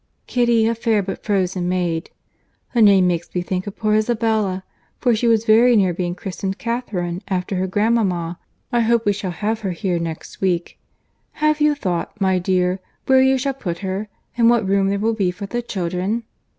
Kitty, a fair but frozen maid. The name makes me think of poor Isabella; for she was very near being christened Catherine after her grandmama. I hope we shall have her here next week. Have you thought, my dear, where you shall put her—and what room there will be for the children?"